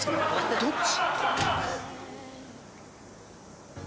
どっち？